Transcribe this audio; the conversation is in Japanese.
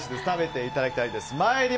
食べていただきたいです。